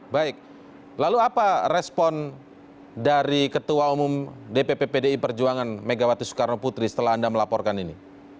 baik lalu apa respon dari ketua umum dpp pdi perjuangan megawati soekarno putri setelah anda melaporkan ini